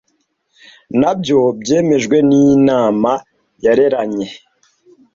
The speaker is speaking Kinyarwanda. nabyo byemejwe n Inama yareranye